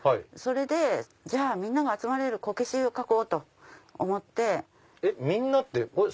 それでじゃあみんなが集まれるこけし描こうと思って。